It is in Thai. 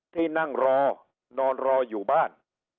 ที่นั่งรอนอนรออยู่บ้าน